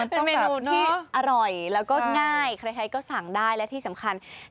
เป็นเมนูที่อร่อยแล้วก็ง่ายใครก็สั่งได้และที่สำคัญ